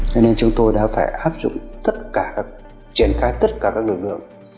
cho nên chúng tôi đã phải áp dụng tất cả các triển khai tất cả các lực lượng